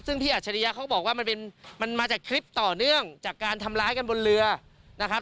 ซึ่งพี่อัจฉริยะเขาบอกว่ามันเป็นมันมาจากคลิปต่อเนื่องจากการทำร้ายกันบนเรือนะครับ